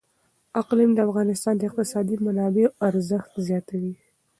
اقلیم د افغانستان د اقتصادي منابعو ارزښت زیاتوي.